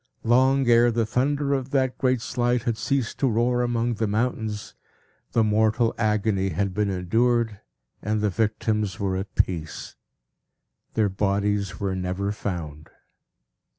Long ere the thunder of that great Slide had ceased to roar among the mountains, the mortal agony had been endured, and the victims were at peace. Their bodies were never found.